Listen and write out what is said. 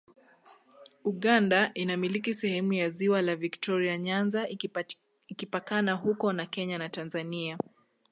Uganda inamiliki sehemu ya ziwa la Viktoria Nyanza ikipakana huko na Kenya na Tanzania